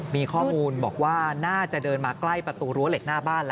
มีข้อมูลบอกว่าน่าจะเดินมาใกล้ประตูรั้วเหล็กหน้าบ้านแล้ว